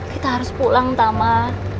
kita harus pulang tamah